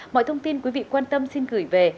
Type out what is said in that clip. mọi thông tin quý vị quan tâm xin gửi về